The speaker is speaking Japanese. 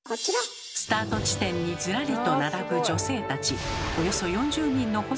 スタート地点にずらりと並ぶ女性たち。